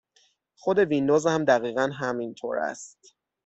خود ویندوز هم دقیقا همنطور است.